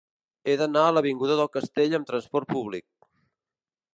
He d'anar a l'avinguda del Castell amb trasport públic.